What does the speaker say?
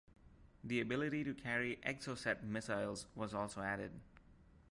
The ability to carry Exocet missiles was also added.